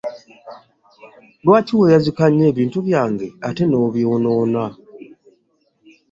Lwaki weeyazika nnyo ebintu byange ate nobyonoona?